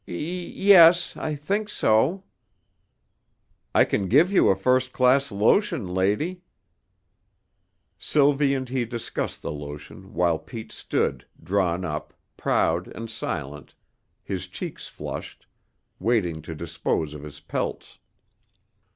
"Y yes, I think so." "I can give you a first class lotion, lady." Sylvie and he discussed the lotion while Pete stood, drawn up, proud and silent, his cheeks flushed, waiting to dispose of his pelts.